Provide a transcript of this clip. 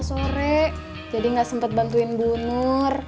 soalnya sore jadi gak sempet bantuin bu nur